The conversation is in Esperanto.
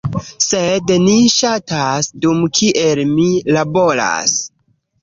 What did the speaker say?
sed ni ŝatas, dum kiel mi laboras